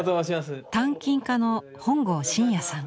鍛金家の本郷真也さん。